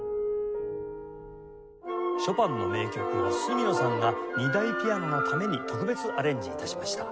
ショパンの名曲を角野さんが２台ピアノのために特別アレンジ致しました。